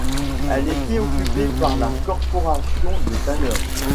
Elle était occupée par la corporation des tanneurs.